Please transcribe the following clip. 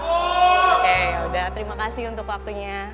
oke udah terima kasih untuk waktunya